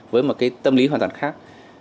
với một tâm lý hoàn toàn khác